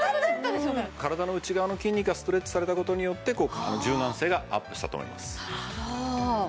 体の内側の筋肉がストレッチされた事によって柔軟性がアップしたと思います。